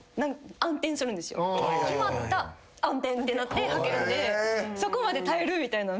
決まった暗転ってなってはけるんでそこまで耐えるみたいなん